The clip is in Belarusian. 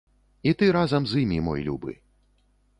І ты разам з імі, мой любы!